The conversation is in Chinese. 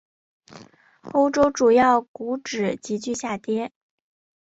欧洲主要股指急剧下跌。